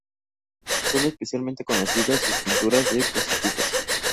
Son especialmente conocidas su pinturas de prostitutas.